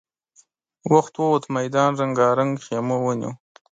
وخت ووت، ميدان رنګارنګ خيمو ونيو.